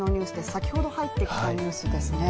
先ほど入ってきたニュースですね。